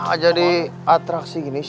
kenapa jadi atraksi gini sih